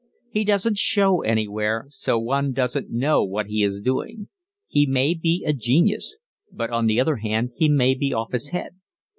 He doesn't show anywhere, so one doesn't know what he is doing. He may be a genius, but on the other hand he may be off his head.